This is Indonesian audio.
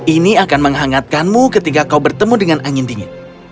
ini akan menghangatkanmu ketika kau bertemu dengan angin dingin